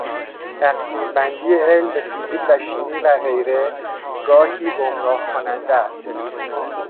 تقسیم بندی علم به فیزیک و شیمی و غیره گاهی گمراه کننده است.